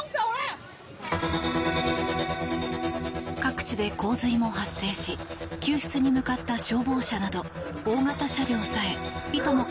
各地で洪水も発生し救出に向かった消防車など大型車両さえいとも